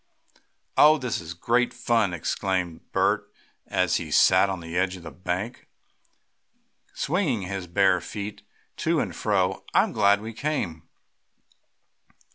"Oh, this is great fun!" exclaimed Bert, as he sat on the edge of the bank, swinging his bare feet to and fro. "I'm glad we came!"